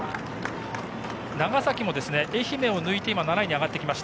長崎も愛媛を抜いて７位に上がってきました。